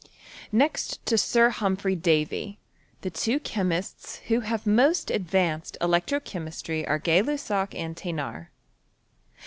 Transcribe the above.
Next to Sir Humphry Davy, the two chemists who have most advanced electro chemistry arc Gay Lussac and Thcnard.